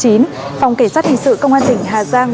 phòng cảnh sát hình sự công an tỉnh hà giang